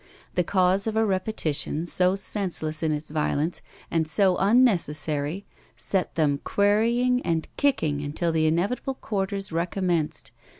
The cause of a repetition so senseless in its violence, and so unnecessary, set them querying and kicking until the inevitable quarters recommenced.